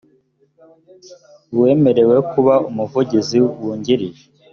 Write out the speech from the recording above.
uwemerewe kuba umuvugizi wungirije